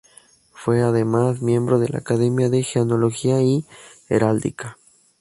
Fue, además, miembro de la Academia de Genealogía y Heráldica.